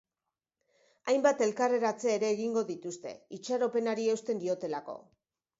Hainbat elkarretaratze ere egingo dituzte, itxaropenari eusten diotelako.